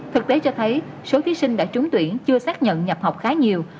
thực tế cho thấy số thí sinh đã trúng tuyển chưa xác nhận nhập học khá nhiều